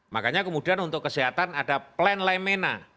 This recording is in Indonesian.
makanya kemudian untuk kesehatan ada plan lemena